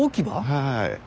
はい。